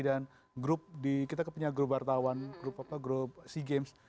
dan kita punya grup wartawan grup sea games